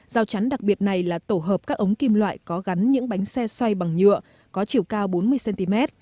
rào chắn đặc biệt này là tổ hợp các ống kim loại có gắn những bánh xe xoay bằng nhựa có chiều cao bốn mươi cm